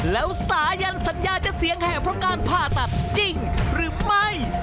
แล้วสายันสัญญาจะเสียงแหบเพราะการผ่าตัดจริงหรือไม่